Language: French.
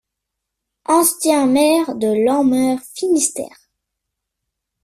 Ancien maire de Lanmeur Finistère.